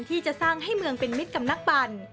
ที่จะสร้างให้เมืองเป็นมิตรกับนักปั่น